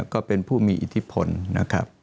ก็เป็นผู้มีอิทธิพลนะครับ